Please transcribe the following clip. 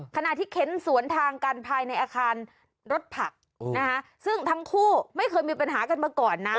ขณะที่เค้นสวนทางกันภายในอาคารรถผักนะคะซึ่งทั้งคู่ไม่เคยมีปัญหากันมาก่อนนะ